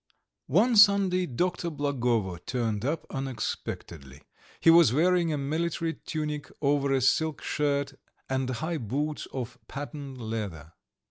VI One Sunday Dr. Blagovo turned up unexpectedly. He was wearing a military tunic over a silk shirt and high boots of patent leather.